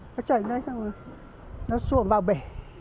nó chảy ở đây nó xuồng vào bể